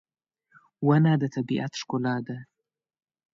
• ونه د طبیعت ښکلا ده.